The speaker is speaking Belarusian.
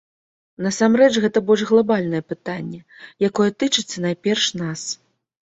Насамрэч, гэта больш глабальнае пытанне, якое тычыцца, найперш, нас.